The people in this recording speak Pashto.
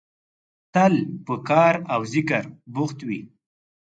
تل په کار او ذکر بوخت وي.